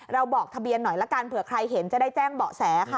บอกทะเบียนหน่อยละกันเผื่อใครเห็นจะได้แจ้งเบาะแสค่ะ